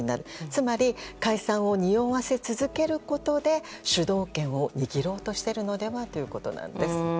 つまり、解散をにおわせ続けることで主導権を握ろうとしているのではということなんです。